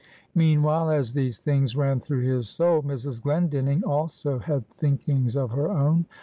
Meanwhile, as these things ran through his soul, Mrs. Glendinning also had thinkings of her own.